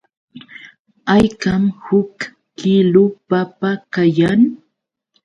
¿Haykam huk kiilu papa kayan?